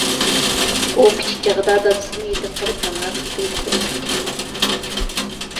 ئۇ كىچىك چېغىدا دادىسىدىن يېتىم قېلىپ، نامراتلىقتا ئۆتكەن.